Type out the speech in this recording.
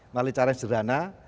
melalui cara yang sederhana